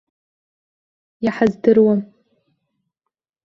Иҳаздыруам.